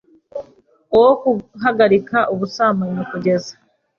wo guhagarika ubusambanyi kugeza